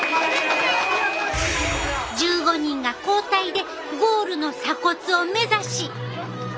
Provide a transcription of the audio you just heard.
１５人が交代でゴールの鎖骨を目指し。